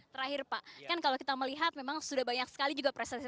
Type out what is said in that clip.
terakhir pak kan kalau kita melihat memang sudah banyak sekali juga prestasi